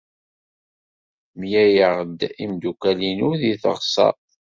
Mlaleɣ-d imeddukal-inu deg teɣsert.